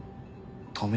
止め